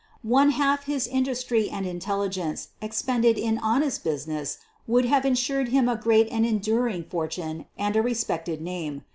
One half his industry and intelligence ex pended in honest business would have insured him a great and enduring fortune and a respected name.